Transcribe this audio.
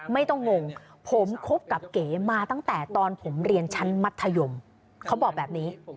งงผมคบกับเก๋มาตั้งแต่ตอนผมเรียนชั้นมัธยมเขาบอกแบบนี้